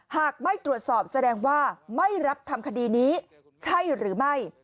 หากไม่ตรวจสอบแสดงว่าไม่รับทำคดีนี้ใช่หรือไม่